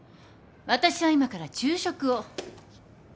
私は今から昼食を。